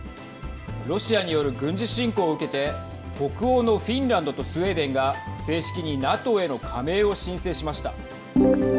ロシアによる軍事侵攻を受けて北欧のフィンランドとスウェーデンが正式にＮＡＴＯへの加盟を申請しました。